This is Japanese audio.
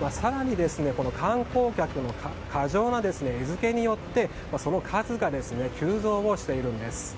更に観光客の過剰な餌づけによりその数が急増をしているんです。